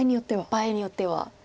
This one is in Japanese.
場合によっては。